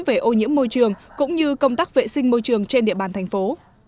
về ô nhiễm môi trường cũng như công tác vệ sinh môi trường trên địa bàn thành phố